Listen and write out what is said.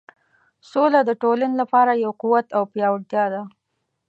سوله د ټولنې لپاره یو قوت او پیاوړتیا ده.